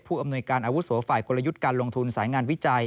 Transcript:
ผู้อำนวยการอาวุษโตฝ่ายคนลยุตการลงทุนสายงานวิจัย